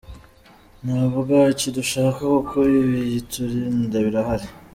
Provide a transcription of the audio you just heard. Nta bwaki dushaka kuko ibiyiturinda birahari.